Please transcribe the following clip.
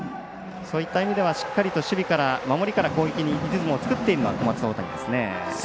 そういった意味ではしっかりと守備から守りからリズムを作っているのは小松大谷ですね。